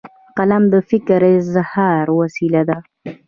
قلم د فکر اظهار وسیله ده.